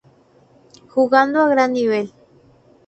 Jugando a gran nivel.